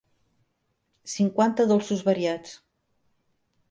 Cinquanta dolços variats.